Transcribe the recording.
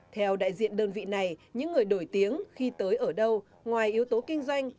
theo đại diện đơn vị này những người nổi tiếng khi tới ở đâu ngoài yếu tố kinh doanh